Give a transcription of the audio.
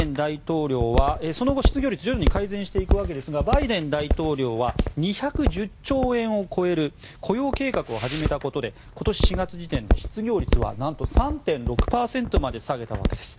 その後、失業率は徐々に改善していくわけですがバイデン大統領は２１０兆円を超える雇用計画を始めたことで今年４月時点で失業率は何と３．６％まで下げたわけです。